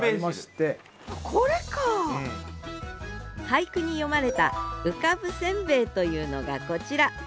俳句に詠まれた「浮かぶせんべい」というのがこちら。